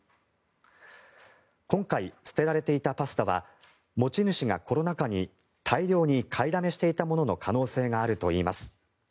今回、捨てられていたパスタは持ち主がコロナ禍に大量に買いだめしていたものの可能性があるといいます。